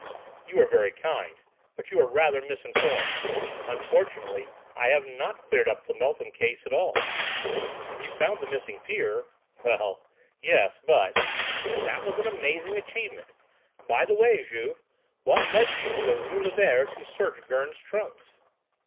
"You are very kind, but you are rather misinformed. Unfortunately I have not cleared up the Beltham case at all." "You found the missing peer." "Well, yes, but " "That was an amazing achievement. By the way, Juve, what led you to go to the rue Lévert to search Gurn's trunks?"